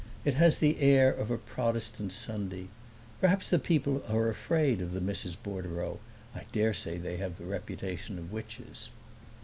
It has the air of a Protestant Sunday. Perhaps the people are afraid of the Misses Bordereau. I daresay they have the reputation of witches."